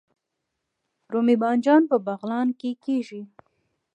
رومي بانجان په بغلان کې کیږي